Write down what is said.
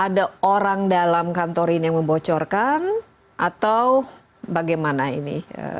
ada orang dalam kantor ini yang membocorkan atau bagaimana ini